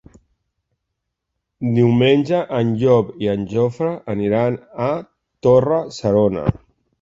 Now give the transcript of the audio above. Diumenge en Llop i en Jofre aniran a Torre-serona.